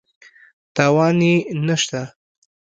تاوان یې نه شته.